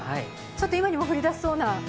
今にも降りだしそうな。